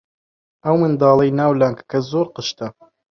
ئەو منداڵەی ناو لانکەکە زۆر قشتە.